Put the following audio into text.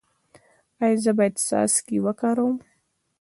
ایا زه باید څاڅکي وکاروم؟